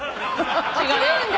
違うんだ。